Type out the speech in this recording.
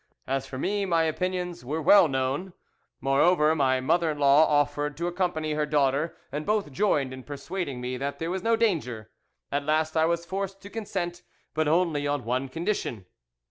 As for me, my opinions were well known. Moreover, my mother in law offered to accompany her daughter, and both joined in persuading me that there was no danger. At last I was forced to consent, but only on one condition.